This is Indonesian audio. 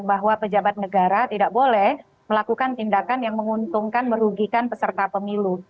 menekankan bahwa pj tidak boleh melakukan tindakan yang menguntungkan merugikan peserta pemilu